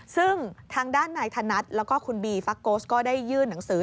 ซึ่งทางด้านนายธนัดแล้วก็คุณบีฟักโกสก็ได้ยื่นหนังสือ